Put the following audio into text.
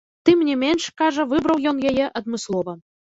Тым не менш, кажа, выбраў ён яе адмыслова.